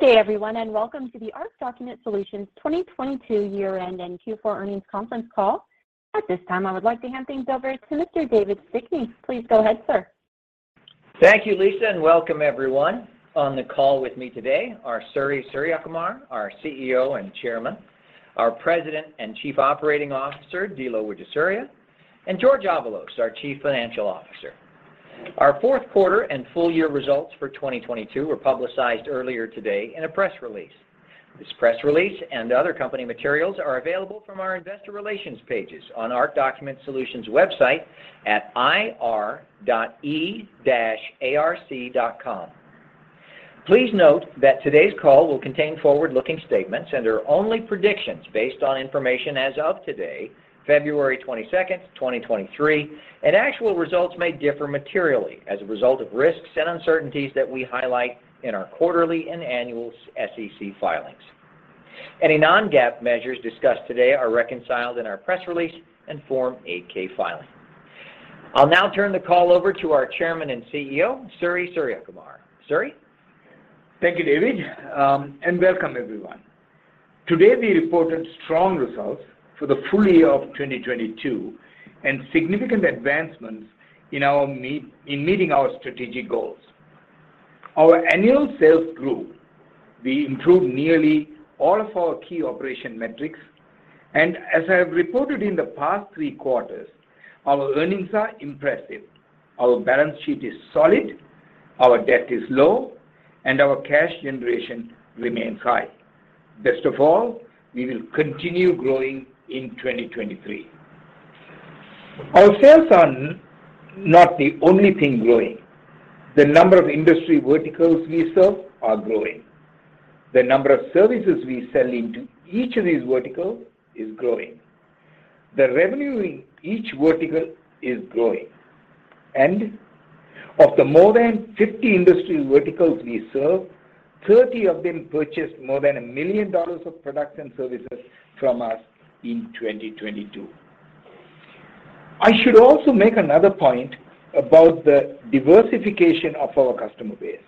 Good day everyone, welcome to the ARC Document Solutions 2022 year-end and Q4 earnings conference call. At this time, I would like to hand things over to Mr. David Stickney. Please go ahead, sir. Thank you, Lisa, and welcome everyone. On the call with me today are Suri Suriyakumar, our CEO and Chairman, our President and Chief Operating Officer, Dilo Wijesuriya, and Jorge Avalos, our Chief Financial Officer. Our fourth quarter and full year results for 2022 were publicized earlier today in a press release. This press release and other company materials are available from our investor relations pages on ARC Document Solutions website at ir.e-arc.com. Please note that today's call will contain forward-looking statements and are only predictions based on information as of today, February 22, 2023, and actual results may differ materially as a result of risks and uncertainties that we highlight in our quarterly and annual SEC filings. Any non-GAAP measures discussed today are reconciled in our press release and Form 8-K filing. I'll now turn the call over to our Chairman and CEO, Suri Suriyakumar. Suri. Thank you, David, and welcome everyone. Today, we reported strong results for the full year of 2022 and significant advancements in meeting our strategic goals. Our annual sales grew. We improved nearly all of our key operation metrics, and as I have reported in the past three quarters, our earnings are impressive. Our balance sheet is solid, our debt is low, and our cash generation remains high. Best of all, we will continue growing in 2023. Our sales are not the only thing growing. The number of industry verticals we serve are growing. The number of services we sell into each of these verticals is growing. The revenue in each vertical is growing. Of the more than 50 industry verticals we serve, 30 of them purchased more than $1 million of products and services from us in 2022. I should also make another point about the diversification of our customer base.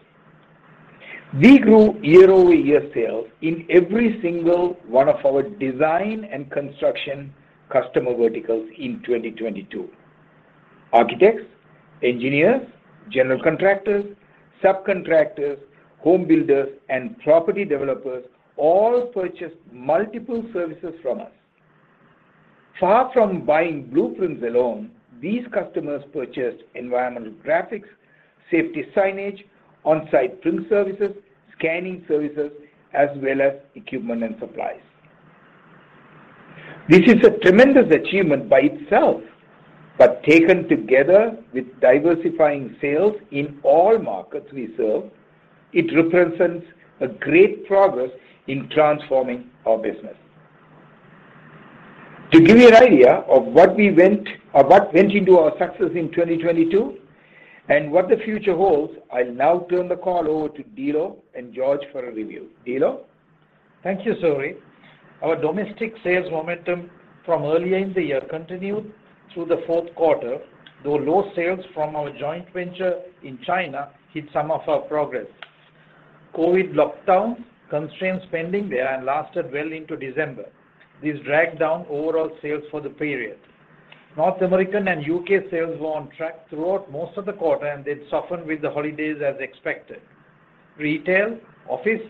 We grew year-over-year sales in every single one of our design and construction customer verticals in 2022. Architects, engineers, general contractors, subcontractors, home builders, and property developers all purchased multiple services from us. Far from buying blueprints alone, these customers purchased environmental graphics, safety signage, on-site print services, scanning services, as well as equipment and supplies. This is a tremendous achievement by itself, but taken together with diversifying sales in all markets we serve, it represents a great progress in transforming our business. To give you an idea of what went into our success in 2022 and what the future holds, I'll now turn the call over to Dilo and Jorge for a review. Dilo. Thank you, Suri. Our domestic sales momentum from earlier in the year continued through the fourth quarter, though low sales from our joint venture in China hit some of our progress. COVID lockdowns constrained spending there and lasted well into December. This dragged down overall sales for the period. North American and U.K. sales were on track throughout most of the quarter, and then softened with the holidays as expected. Retail, office,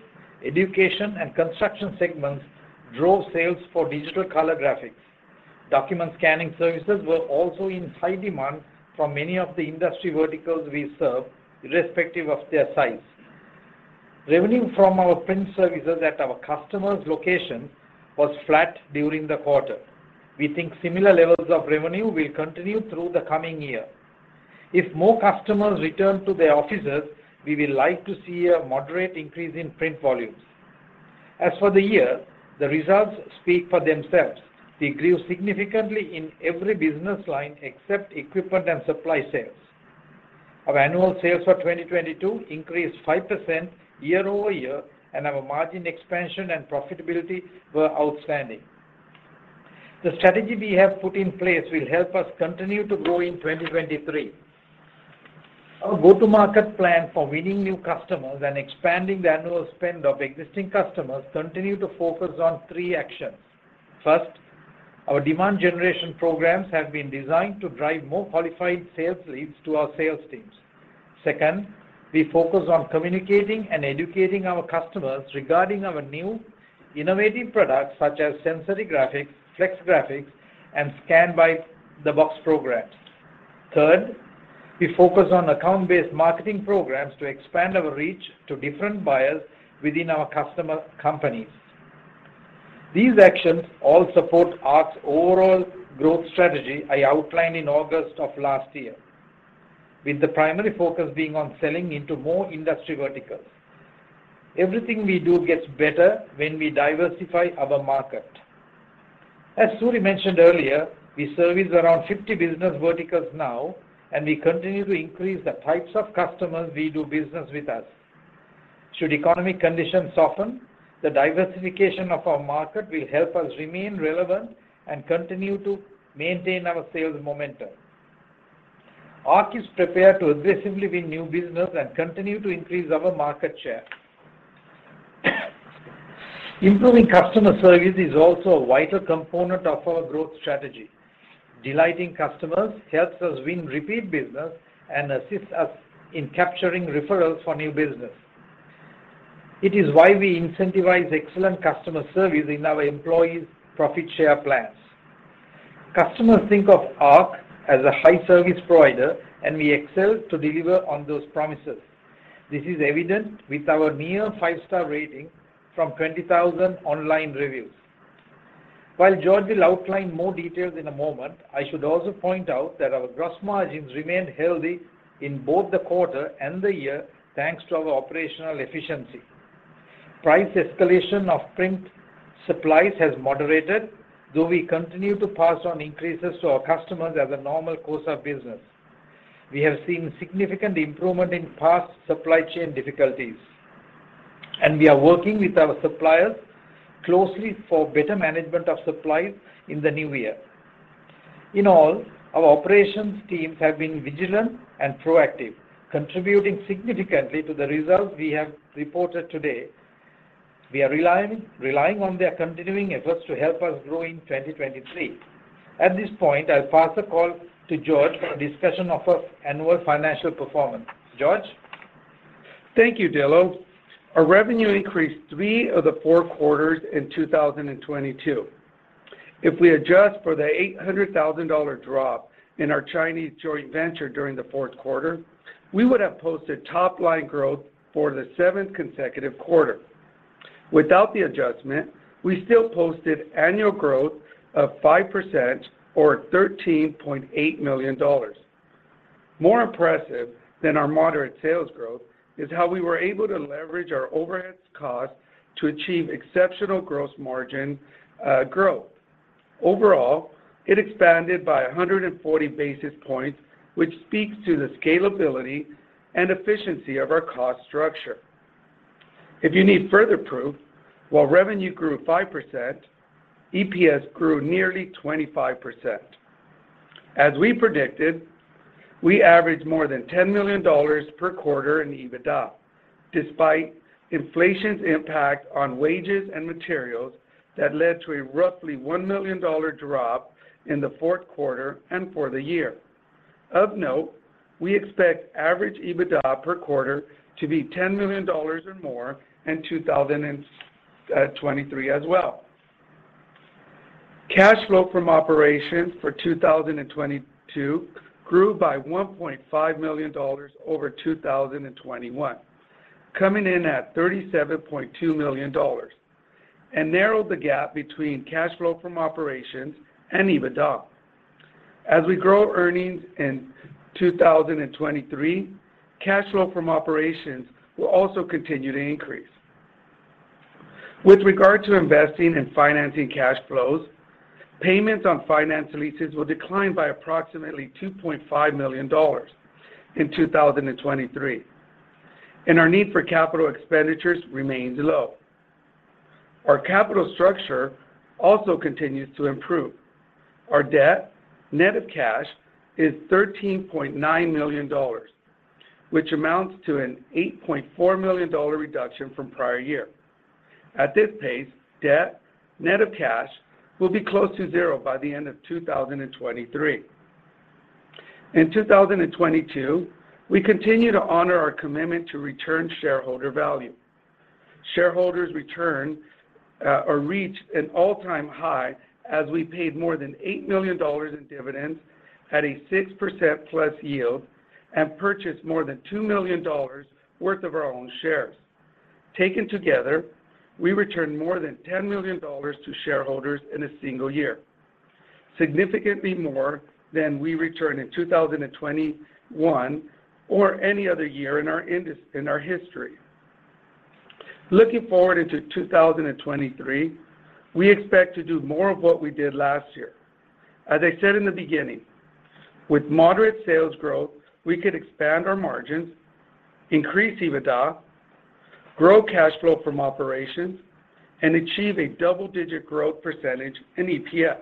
education, and construction segments drove sales for digital color graphics. Document scanning services were also in high demand from many of the industry verticals we serve, irrespective of their size. Revenue from our print services at our customer's location was flat during the quarter. We think similar levels of revenue will continue through the coming year. If more customers return to their offices, we will like to see a moderate increase in print volumes. As for the year, the results speak for themselves. We grew significantly in every business line except equipment and supply sales. Our annual sales for 2022 increased 5% year-over-year, and our margin expansion and profitability were outstanding. The strategy we have put in place will help us continue to grow in 2023. Our go-to-market plan for winning new customers and expanding the annual spend of existing customers continue to focus on three actions. First, our demand generation programs have been designed to drive more qualified sales leads to our sales teams. Second, we focus on communicating and educating our customers regarding our new innovative products, such as Sensory Graphics, flex graphics, and Scan by the Box programs. Third, we focus on account-based marketing programs to expand our reach to different buyers within our customer companies. These actions all support ARC's overall growth strategy I outlined in August of last year, with the primary focus being on selling into more industry verticals. Everything we do gets better when we diversify our market. As Suri mentioned earlier, we service around 50 business verticals now. We continue to increase the types of customers we do business with us. Should economic conditions soften, the diversification of our market will help us remain relevant and continue to maintain our sales momentum. ARC is prepared to aggressively win new business and continue to increase our market share. Improving customer service is also a vital component of our growth strategy. Delighting customers helps us win repeat business and assists us in capturing referrals for new business. It is why we incentivize excellent customer service in our employees' profit share plans. Customers think of ARC as a high service provider, we excel to deliver on those promises. This is evident with our near five-star rating from 20,000 online reviews. While Jorge will outline more details in a moment, I should also point out that our gross margins remained healthy in both the quarter and the year, thanks to our operational efficiency. Price escalation of print supplies has moderated, though we continue to pass on increases to our customers as a normal course of business. We have seen significant improvement in past supply chain difficulties, and we are working with our suppliers closely for better management of supplies in the new year. In all, our operations teams have been vigilant and proactive, contributing significantly to the results we have reported today. We are relying on their continuing efforts to help us grow in 2023. At this point, I'll pass the call to Jorge for a discussion of our annual financial performance. Jorge? Thank you, Dilo. Our revenue increased three of the four quarters in 2022. If we adjust for the $800,000 drop in our Chinese joint venture during the fourth quarter, we would have posted top-line growth for the seventh consecutive quarter. Without the adjustment, we still posted annual growth of 5% or $13.8 million. More impressive than our moderate sales growth is how we were able to leverage our overheads costs to achieve exceptional gross margin growth. Overall, it expanded by 140 basis points, which speaks to the scalability and efficiency of our cost structure. If you need further proof, while revenue grew 5%, EPS grew nearly 25%. As we predicted, we averaged more than $10 million per quarter in EBITDA, despite inflation's impact on wages and materials that led to a roughly $1 million drop in the fourth quarter and for the year. Of note, we expect average EBITDA per quarter to be $10 million or more in 2023 as well. Cash flow from operations for 2022 grew by $1.5 million over 2021, coming in at $37.2 million, and narrowed the gap between cash flow from operations and EBITDA. As we grow earnings in 2023, cash flow from operations will also continue to increase. With regard to investing and financing cash flows, payments on finance leases will decline by approximately $2.5 million in 2023. Our need for CapEx remains low. Our capital structure also continues to improve. Our debt, net of cash, is $13.9 million, which amounts to an $8.4 million reduction from prior year. At this pace, debt, net of cash, will be close to zero by the end of 2023. In 2022, we continue to honor our commitment to return shareholder value. Shareholders return, or reached an all-time high as we paid more than $8 million in dividends at a 6%+ yield and purchased more than $2 million worth of our own shares. Taken together, we returned more than $10 million to shareholders in a single year, significantly more than we returned in 2021 or any other year in our history. Looking forward into 2023, we expect to do more of what we did last year. As I said in the beginning, with moderate sales growth, we could expand our margins, increase EBITDA, grow cash flow from operations, and achieve a double-digit growth percentage in EPS.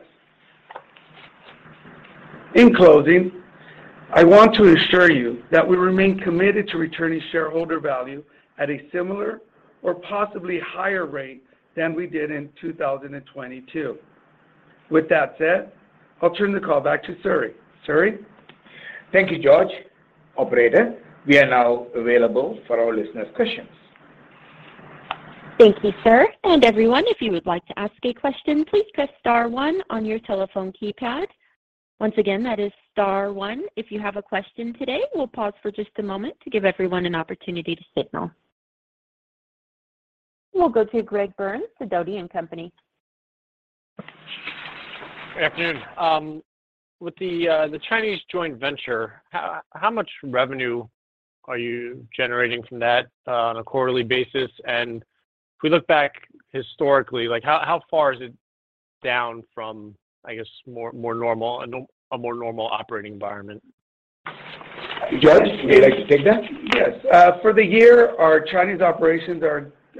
In closing, I want to assure you that we remain committed to returning shareholder value at a similar or possibly higher rate than we did in 2022. With that said, I'll turn the call back to Suri. Suri? Thank you, Jorge. Operator, we are now available for our listeners' questions. Thank you, sir. Everyone, if you would like to ask a question, please press star one on your telephone keypad. Once again, that is star one if you have a question today. We'll pause for just a moment to give everyone an opportunity to signal. We'll go to Greg Burns at Sidoti & Company. Good afternoon. With the Chinese joint venture, how much revenue are you generating from that on a quarterly basis? If we look back historically, like, how far is it down from, I guess, a more normal operating environment? Jorge, would you like to take that? Yes. For the year, our Chinese operations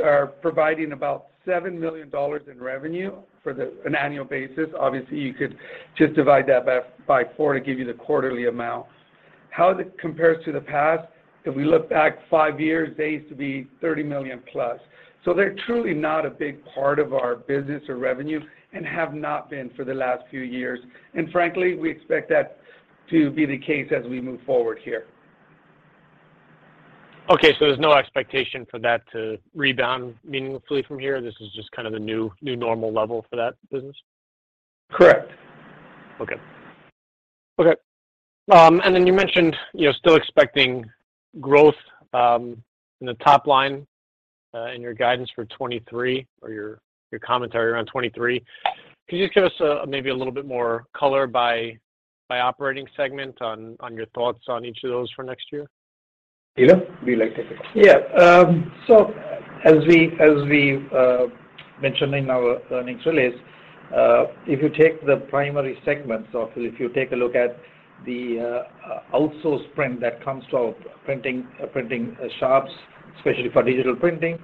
are providing about $7 million in revenue for an annual basis. Obviously, you could just divide that by four to give you the quarterly amount. How it compares to the past, if we look back five years, they used to be $30 million. They're truly not a big part of our business or revenue and have not been for the last few years. Frankly, we expect that to be the case as we move forward here. Okay, there's no expectation for that to rebound meaningfully from here? This is just kind of the new normal level for that business? Correct. Okay. Okay. You mentioned, you know, still expecting growth in the top line in your guidance for 2023 or your commentary around 2023. Could you just give us maybe a little bit more color by operating segment on your thoughts on each of those for next year? Dilo, would you like to take this? As we mentioned in our earnings release, if you take the primary segments or if you take a look at the outsourced print that comes to our printing shops, especially for digital printing,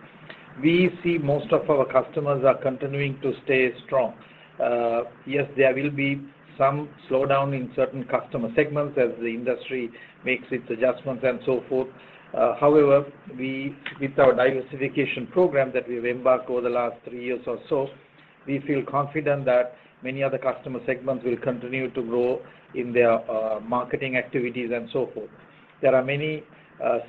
we see most of our customers are continuing to stay strong. There will be some slowdown in certain customer segments as the industry makes its adjustments and so forth. We, with our diversification program that we've embarked over the last three years or so, we feel confident that many other customer segments will continue to grow in their marketing activities and so forth. There are many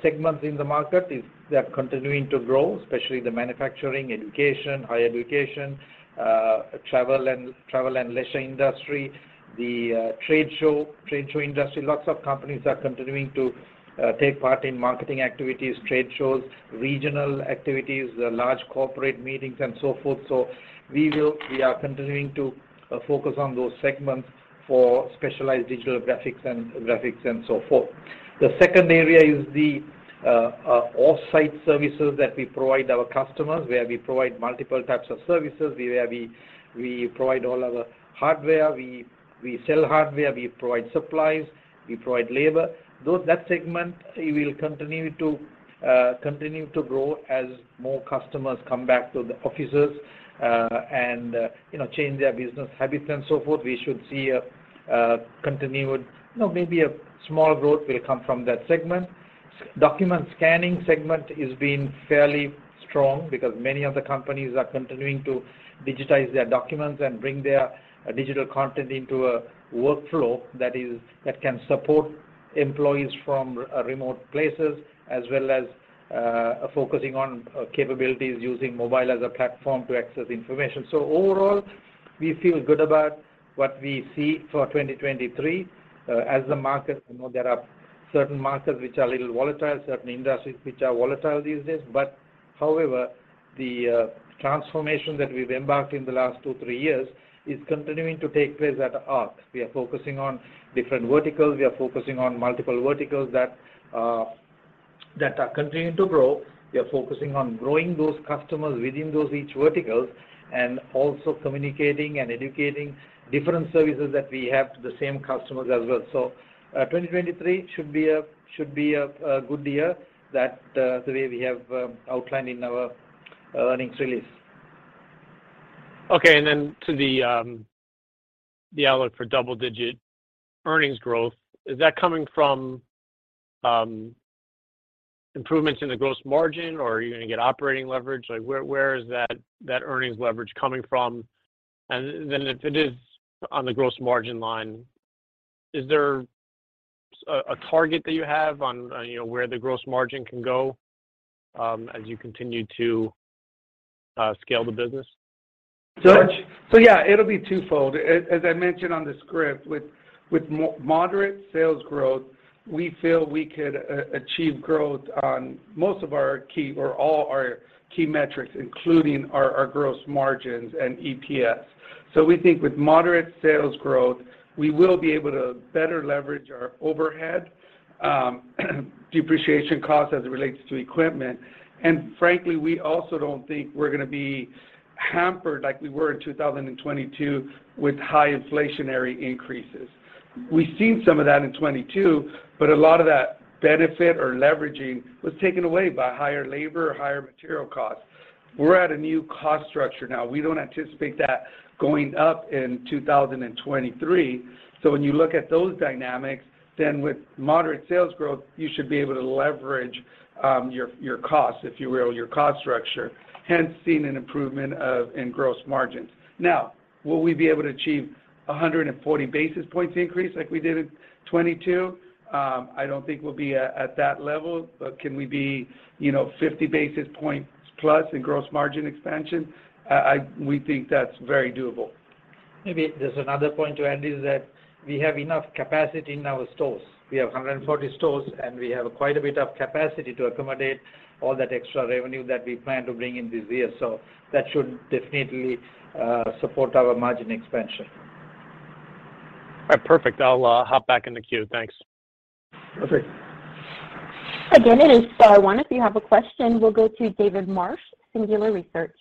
segments in the market, they are continuing to grow, especially the manufacturing, education, higher education, travel and leisure industry, the trade show industry. Lots of companies are continuing to take part in marketing activities, trade shows, regional activities, large corporate meetings and so forth. We are continuing to focus on those segments for specialized digital graphics and graphics and so forth. The second area is the off-site services that we provide our customers, where we provide multiple types of services, where we provide all our hardware. We sell hardware, we provide supplies, we provide labor. That segment will continue to grow as more customers come back to the offices, and, you know, change their business habits and so forth. We should see a continued, you know, maybe a small growth will come from that segment. Document scanning segment is being fairly strong because many of the companies are continuing to digitize their documents and bring their digital content into a workflow that can support employees from remote places, as well as focusing on capabilities using mobile as a platform to access information. Overall, we feel good about what we see for 2023. As the market, you know, there are certain markets which are a little volatile, certain industries which are volatile these days. However, the transformation that we've embarked in the last two, three years is continuing to take place at ARC. We are focusing on different verticals. We are focusing on multiple verticals that are continuing to grow. We are focusing on growing those customers within those each verticals and also communicating and educating different services that we have to the same customers as well. 2023 should be a good year that the way we have outlined in our earnings release. Okay. To the outlook for double-digit earnings growth, is that coming from improvements in the gross margin or are you gonna get operating leverage? Like, where is that earnings leverage coming from? If it is on the gross margin line, is there a target that you have on, you know, where the gross margin can go, as you continue to scale the business? Jorge? Yeah, it'll be twofold. As I mentioned on the script, with moderate sales growth, we feel we could achieve growth on most of our key or all our key metrics, including our gross margins and EPS. We think with moderate sales growth, we will be able to better leverage our overhead, depreciation costs as it relates to equipment. Frankly, we also don't think we're gonna be hampered like we were in 2022 with high inflationary increases. We've seen some of that in 2022, but a lot of that benefit or leveraging was taken away by higher labor or higher material costs. We're at a new cost structure now. We don't anticipate that going up in 2023. When you look at those dynamics with moderate sales growth, you should be able to leverage your costs, if you will, your cost structure, hence seeing an improvement in gross margins. Will we be able to achieve 140 basis points increase like we did in 2022? I don't think we'll be at that level. Can we be, you know, 50 basis points plus in gross margin expansion? We think that's very doable. Maybe there's another point to add is that we have enough capacity in our stores. We have 140 stores. We have quite a bit of capacity to accommodate all that extra revenue that we plan to bring in this year. That should definitely support our margin expansion. All right. Perfect. I'll hop back in the queue. Thanks. Perfect. Again, it is Star one. If you have a question, we'll go to David Marsh, Singular Research.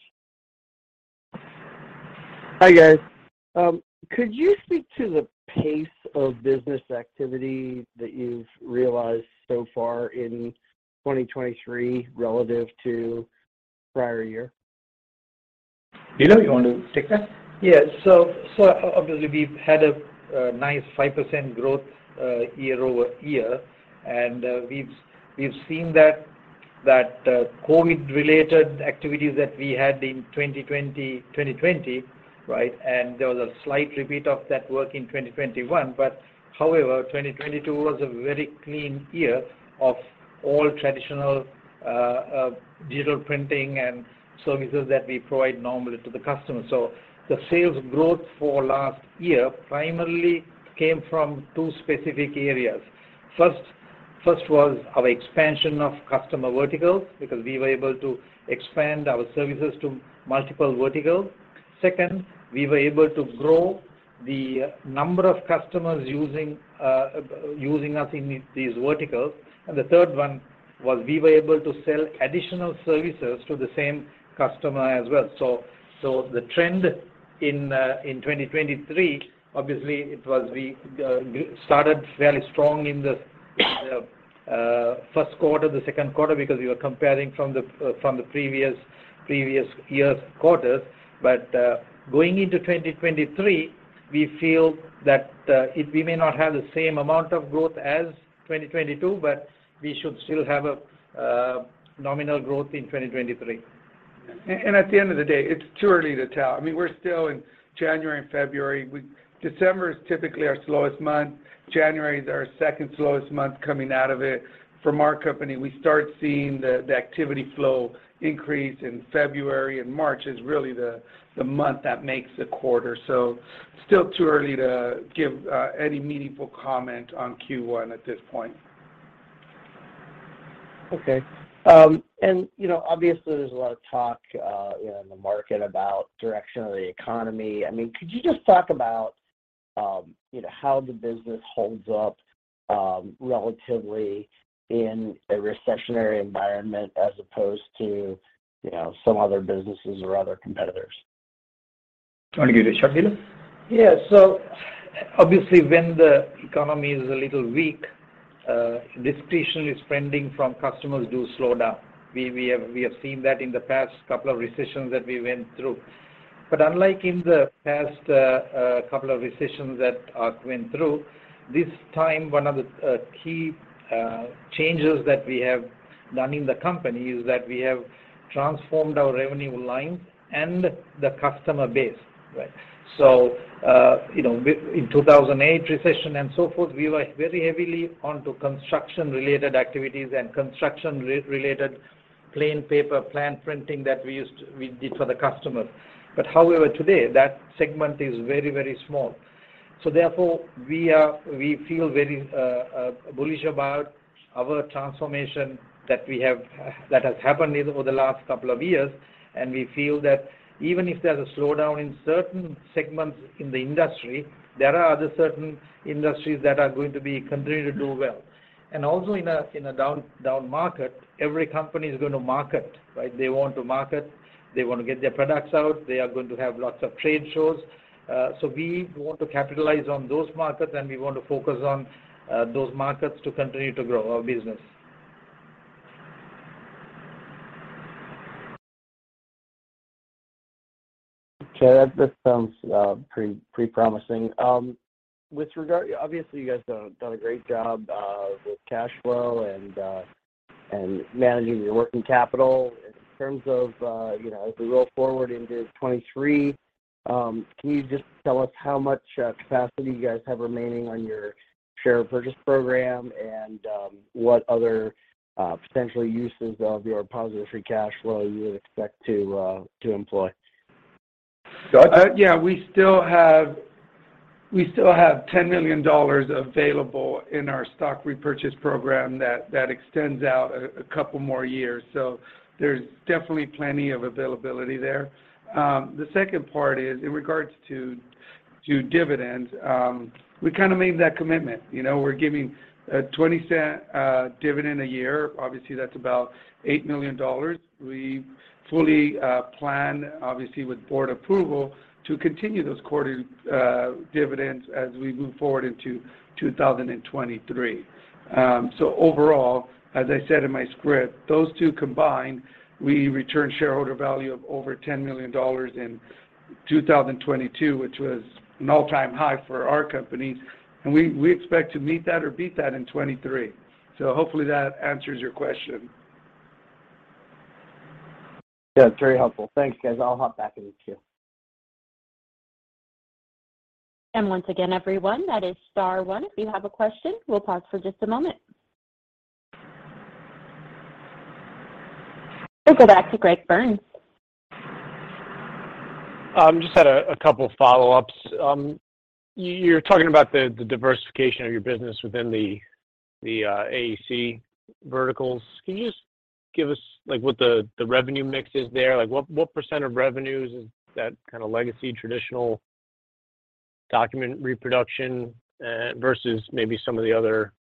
Hi, guys. Could you speak to the pace of business activity that you've realized so far in 2023 relative to prior year? Dilo, you want to take that? Yeah. Obviously we've had a nice 5% growth year-over-year. We've seen COVID related activities that we had in 2020, right? There was a slight repeat of that work in 2021, however, 2022 was a very clean year of all traditional digital printing and services that we provide normally to the customer. The sales growth for last year primarily came from two specific areas. First was our expansion of customer verticals, because we were able to expand our services to multiple verticals. Second, we were able to grow the number of customers using us in these verticals. The third one was we were able to sell additional services to the same customer as well. The trend in 2023, obviously it was we started fairly strong in the first quarter, the second quarter because we were comparing from the previous year's quarters. Going into 2023, we feel that we may not have the same amount of growth as 2022, but we should still have a nominal growth in 2023. At the end of the day, it's too early to tell. I mean, we're still in January and February. December is typically our slowest month. January is our second slowest month coming out of it. For our company, we start seeing the activity flow increase in February, and March is really the month that makes the quarter. Still too early to give any meaningful comment on Q1 at this point. Okay. You know, obviously there's a lot of talk, you know, in the market about direction of the economy. I mean, could you just talk about, you know, how the business holds up, relatively in a recessionary environment as opposed to, you know, some other businesses or other competitors? You want to give it a shot, Dilo? Yeah. Obviously when the economy is a little weak, discretionary spending from customers do slow down. We have seen that in the past couple of recessions that we went through. Unlike in the past, couple of recessions that went through, this time one of the key changes that we have done in the company is that we have transformed our revenue line and the customer base, right? You know, in 2008 recession and so forth, we were very heavily onto construction-related activities and construction-related plain paper plan printing that we did for the customer. However, today, that segment is very, very small. Therefore, we feel very bullish about our transformation that has happened over the last couple of years. We feel that even if there's a slowdown in certain segments in the industry, there are other certain industries that are continue to do well. In a down market, every company is going to market, right? They want to market. They want to get their products out. They are going to have lots of trade shows. We want to capitalize on those markets, and we want to focus on those markets to continue to grow our business. Okay. That sounds pretty promising. With regard, obviously, you guys done a great job with cash flow and managing your working capital. In terms of, you know, as we roll forward into 2023, can you just tell us how much capacity you guys have remaining on your share purchase program and what other potential uses of your positive free cash flow you would expect to employ? Scott? Yeah. We still have $10 million available in our stock repurchase program that extends out a couple more years. There's definitely plenty of availability there. The second part is in regards to dividends, we kind of made that commitment. You know, we're giving a $0.20 dividend a year. Obviously, that's about $8 million. We fully plan obviously with board approval to continue those quarter dividends as we move forward into 2023. Overall, as I said in my script, those two combined, we returned shareholder value of over $10 million in 2022, which was an all-time high for our company. We expect to meet that or beat that in 2023. Hopefully that answers your question. Yeah. Very helpful. Thanks, guys. I'll hop back in the queue. Once again, everyone, that is star one if you have a question. We'll pause for just a moment. We'll go back to Greg Burns. Just had a couple follow-ups. You're talking about the diversification of your business within the AEC verticals. Can you just give us like what the revenue mix is there? Like what percentage of revenues is that kind of legacy traditional document reproduction, versus maybe some of the other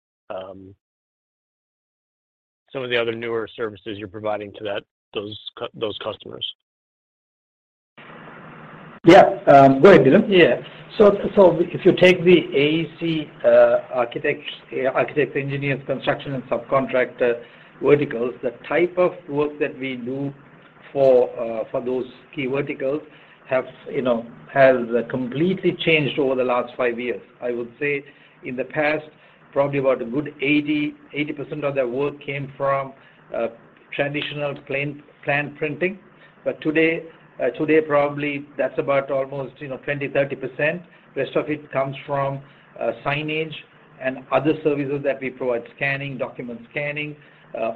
newer services you're providing to that, those customers? Go ahead, Dilo. If you take the AEC architects, engineers, construction, and subcontractor verticals, the type of work that we do for those key verticals has completely changed over the last five years. I would say in the past, probably about a good 80% of that work came from traditional plan printing. Today, today probably that's about almost 20%-30%. The rest of it comes from signage and other services that we provide, scanning, document scanning,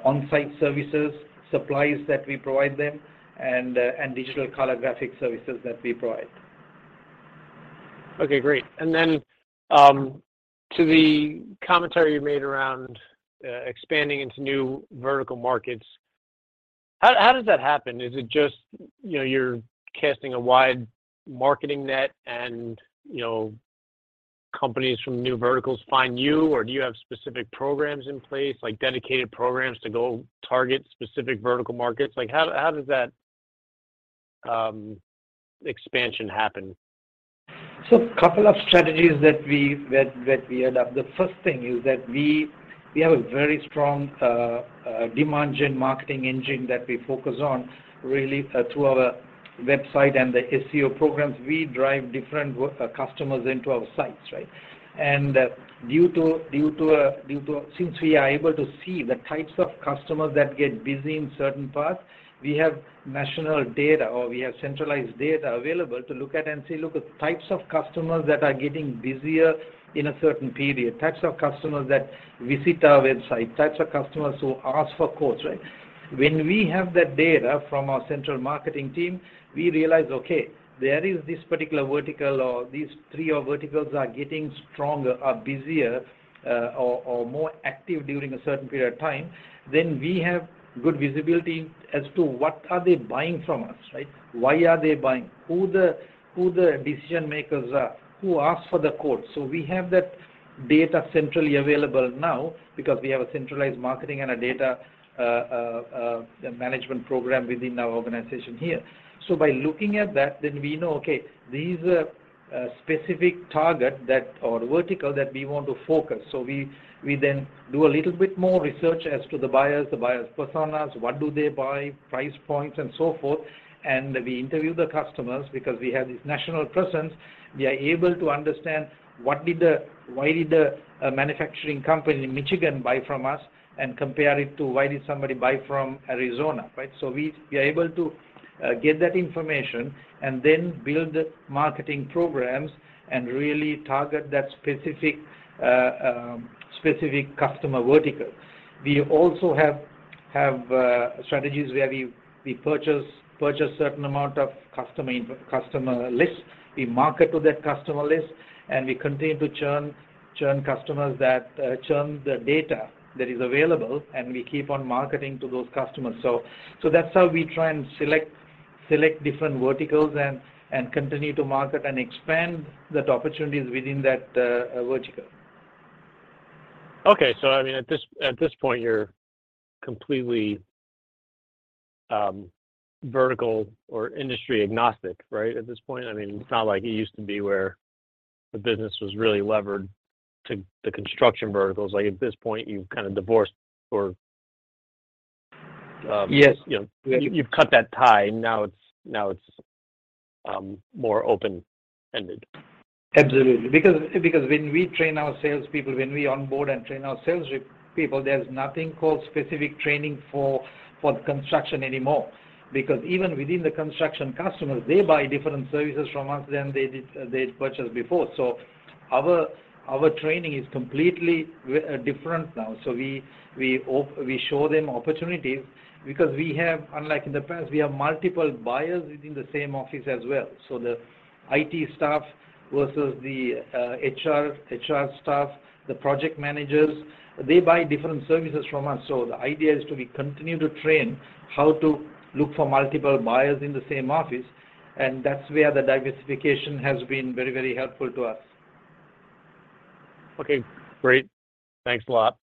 on-site services, supplies that we provide them and digital color graphic services that we provide. Okay, great. To the commentary you made around expanding into new vertical markets, how does that happen? Is it just, you know, you're casting a wide marketing net and, you know, companies from new verticals find you or do you have specific programs in place, like dedicated programs to go target specific vertical markets? Like how does that expansion happen? A couple of strategies that we adopt. The first thing is that we have a very strong demand gen marketing engine that we focus on really through our website and the SEO programs. We drive different customers into our sites, right? Since we are able to see the types of customers that get busy in certain parts, we have national data or we have centralized data available to look at and say, "Look at types of customers that are getting busier in a certain period, types of customers that visit our website, types of customers who ask for quotes," right? When we have that data from our central marketing team, we realize, okay, there is this particular vertical or these three verticals are getting stronger or busier, or more active during a certain period of time. We have good visibility as to what are they buying from us, right? Why are they buying? Who the decision-makers are who ask for the quote. We have that data centrally available now because we have a centralized marketing and a data management program within our organization here. By looking at that, then we know, okay, these are a specific target that or vertical that we want to focus. We then do a little bit more research as to the buyers, the buyer's personas, what do they buy, price points, and so forth. We interview the customers because we have this national presence. We are able to understand why did a manufacturing company in Michigan buy from us and compare it to why did somebody buy from Arizona, right? We are able to get that information and then build the marketing programs and really target that specific specific customer vertical. We also have strategies where we purchase certain amount of customer lists. We market to that customer list, and we continue to churn customers that churn the data that is available, and we keep on marketing to those customers. That's how we try and select different verticals and continue to market and expand that opportunities within that vertical. I mean, at this point, you're completely vertical or industry agnostic, right? At this point, I mean, it's not like it used to be where the business was really levered to the construction verticals. At this point, you've kind of divorced or Yes. You know, you've cut that tie. Now it's more open-ended. Absolutely. Because when we train our salespeople, when we onboard and train our sales rep people, there's nothing called specific training for construction anymore. Because even within the construction customers, they buy different services from us than they did, they purchased before. Our training is completely different now. We show them opportunities because we have, unlike in the past, we have multiple buyers within the same office as well. The IT staff versus the HR staff, the project managers, they buy different services from us. The idea is to be continue to train how to look for multiple buyers in the same office, and that's where the diversification has been very, very helpful to us. Okay, great. Thanks a lot.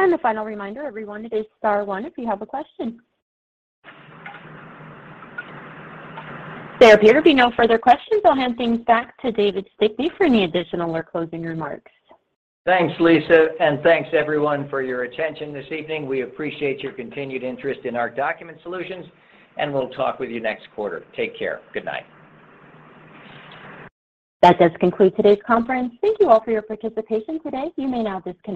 A final reminder, everyone, it is star one if you have a question. There appear to be no further questions. I'll hand things back to David Stickney for any additional or closing remarks. Thanks, Lisa. Thanks everyone for your attention this evening. We appreciate your continued interest in our document solutions. We'll talk with you next quarter. Take care. Good night. That does conclude today's conference. Thank you all for your participation today. You may now disconnect.